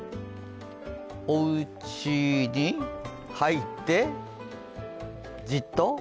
おうちに入って、じっと。